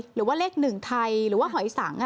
หรือว่าเลข๑ไทยหรือว่าหอยสัง